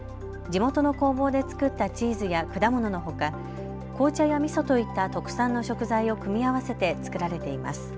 地元の工房で作ったチーズや果物のほか紅茶やみそといった特産の食材を組み合わせて作られています。